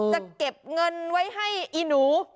จะเก็บเงินไว้ให้อีหนู